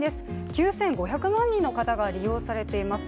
９５００万人の方が利用されています。